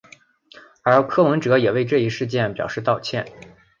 而柯文哲也为这一事件表示道歉。